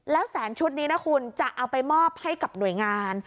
แล้วแสนชุดนี้นะคุณจะเอาไปมอบให้กับหน่วยงาน